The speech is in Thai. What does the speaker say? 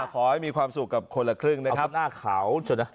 ขอให้มีความสุขกับคนละครึ่งนะครับหน้าขาวชนะ